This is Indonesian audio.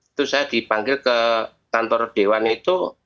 itu saya dipanggil ke kantor dewan itu